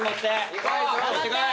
いってこい！